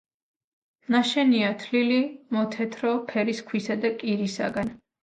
ნაშენია თლილი მოთეთრო ფერის ქვისა და კირისაგან.